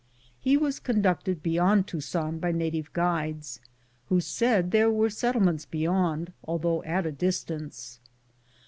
He was conducted beyond Tuzan by native guides, who said there were settlements be yond, although at a distance.